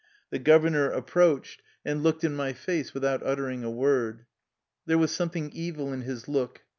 The governor ap proached and looked in my face without utter ing a v/ord. There was something evil in his look.